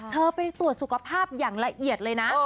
ไปตรวจสุขภาพอย่างละเอียดเลยนะ